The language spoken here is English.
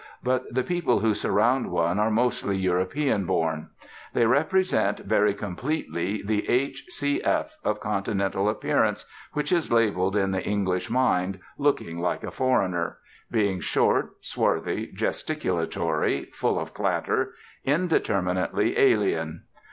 But the people who surround one are mostly European born. They represent very completely that H.C.F. of Continental appearance which is labelled in the English mind 'looking like a foreigner'; being short, swarthy, gesticulatory, full of clatter, indeterminately alien.